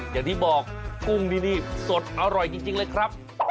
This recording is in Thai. อย่างที่บอกกุ้งที่นี่สดอร่อยจริงเลยครับ